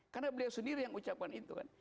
karena beliau sendiri yang ucapkan itu kan